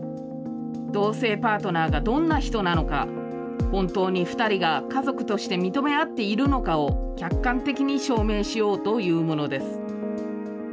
同性パートナーがどんな人なのか、本当に２人が家族として認め合っているのかを、客観的に証明しようというものです。